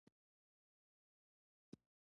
د پیرودونکو اړیکې د خرڅ زیاتوي.